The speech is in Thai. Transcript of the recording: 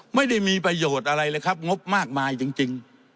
ไม่ได้มีประโยชน์อะไรเลยครับงบมากมายจริง